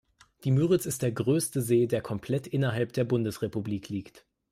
Die Müritz ist der größte See, der komplett innerhalb der Bundesrepublik liegt.